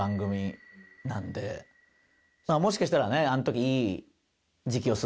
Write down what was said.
もしかしたらね。